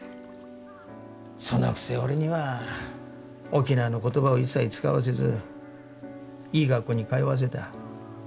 そのくせ俺には沖縄の言葉を一切使わせずいい学校に通わせた。